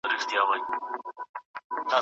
معتبرې نظريې په تجربه کې ازمویل کیږي.